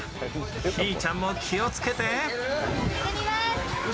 ひぃちゃんも気をつけて。